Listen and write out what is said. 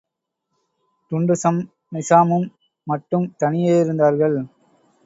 டுன்டுஷம் நிசாமும் மட்டும் தனியே யிருந்தார்கள்.